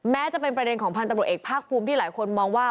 แม้จะเป็นประเด็นของพันธุ์ตำรวจเอกภาคภูมิที่หลายคนมองว่า